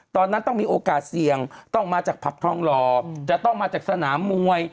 ตอนนั้นต้องมีโอกาสเสี่ยงต้องมาจากผับทองหล่อจะต้องมาจากสนามมวย